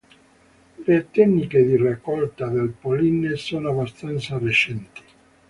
Le tecniche di raccolta del polline sono abbastanza recenti.